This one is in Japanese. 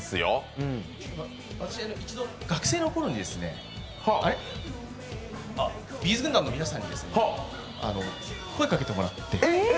学生の頃にＢ’ず軍団の皆さんに声かけてもらって。